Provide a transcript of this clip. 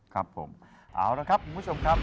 เอาละครับคุณผู้ชมครับ